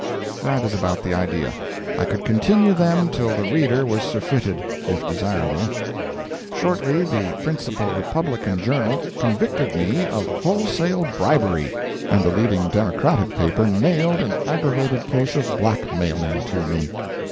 That is about the idea. I could continue them till the reader was surfeited, if desirable. Shortly the principal Republican journal "convicted" me of wholesale bribery, and the leading Democratic paper "nailed" an aggravated case of blackmailing to me.